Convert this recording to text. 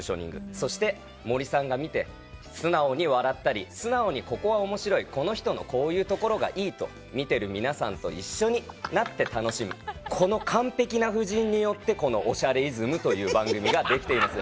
そして森さんが見て素直に笑ったり素直にここは面白いこの人のこういうところがいいと見てる皆さんと一緒になって楽しむこの完璧な布陣によってこの『おしゃれイズム』という番組ができています。